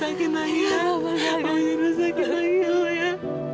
amang jangan rusakin lagi lo ya